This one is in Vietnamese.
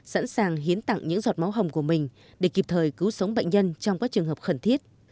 sẵn sàng hiến tặng những giọt máu hồng của mình để kịp thời cứu sống bệnh nhân trong các trường hợp khẩn thiết